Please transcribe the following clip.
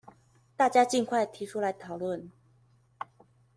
大家儘快提出來討論